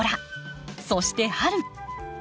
そして春。